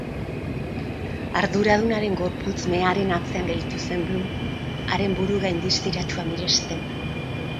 Arduradunaren gorputz mehearen atzean gelditu zen Bloom, haren buru-gain distiratsua miresten.